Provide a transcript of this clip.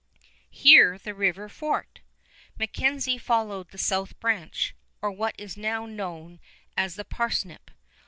Here the river forked. MacKenzie followed the south branch, or what is now known as the Parsnip.